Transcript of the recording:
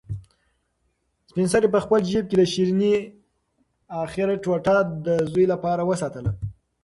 سپین سرې په خپل جېب کې د شیرني اخري ټوټه د زوی لپاره وساتله.